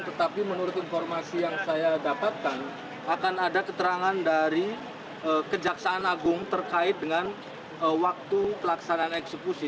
tetapi menurut informasi yang saya dapatkan akan ada keterangan dari kejaksaan agung terkait dengan waktu pelaksanaan eksekusi